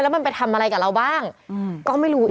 มันไปทำอะไรกับเราบ้างก็ไม่รู้